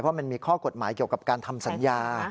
มันมีข้อกฎหมายเกี่ยวกับการทำสัญญา